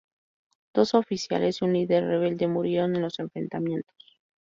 Dos oficiales y un líder rebelde murieron en los enfrentamientos.